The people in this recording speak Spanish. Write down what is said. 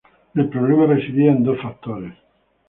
El problema residía en dos factores.